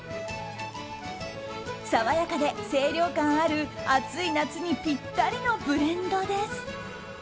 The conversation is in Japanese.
爽やかで清涼感ある、暑い夏にぴったりのブレンドです。